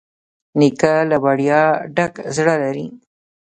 نیکه له ویاړه ډک زړه لري.